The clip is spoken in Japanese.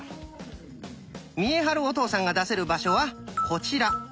見栄晴お父さんが出せる場所はこちら。